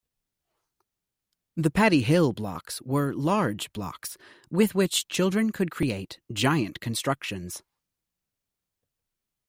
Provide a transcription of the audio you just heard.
The Patty Hill blocks were large blocks with which children could create giant constructions.